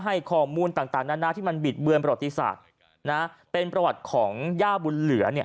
ให้ข้อมูลต่างนานาที่มันบิดเบือนประวัติศาสตร์นะเป็นประวัติของย่าบุญเหลือเนี่ย